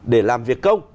để làm việc công